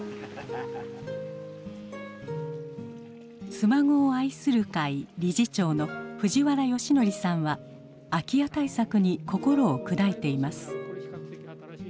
妻籠を愛する会理事長の藤原義則さんは空き家対策に心を砕いています。